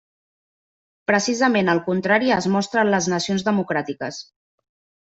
Precisament el contrari es mostra en les nacions democràtiques.